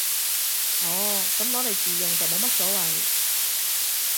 哦，噉攞嚟自用就冇乜所謂